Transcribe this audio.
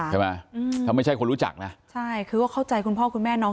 ใช่ไหมอืมถ้าไม่ใช่คนรู้จักนะใช่คือว่าเข้าใจคุณพ่อคุณแม่น้อง